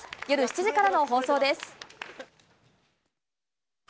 夜７時からの放送です。